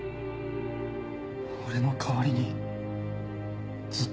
俺の代わりにずっと。